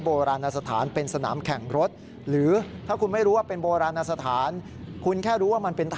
บางคนแช่งแบบนี้เลยครู